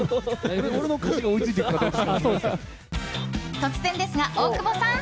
突然ですが、大久保さん。